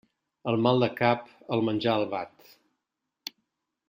El mal de cap, el menjar el bat.